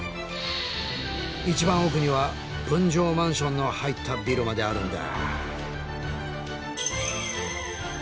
一番奥には分譲マンションの入ったビルまであるんだ。